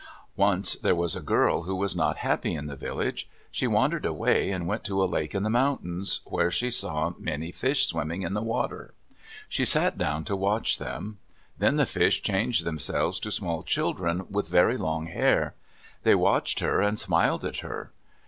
Once there was a girl who was not happy in the village. She wandered away and went to a lake in the mountains, where she saw many fish swimming in the water. She sat down to watch them. Then the fish changed themselves to small children with very long hair. They watched her and smiled at her.